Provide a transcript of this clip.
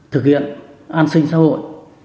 thực hiện an sinh xã hội